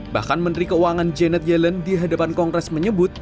bahkan menteri keuangan janet yellen di hadapan kongres menyebut